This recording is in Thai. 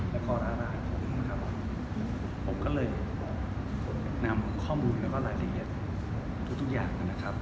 และร้านของผมผมก็เลยบอกนำข้อมูลและรายละเอียดทุกอย่าง